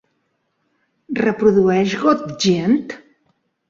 Reprodueix "Got Djent"?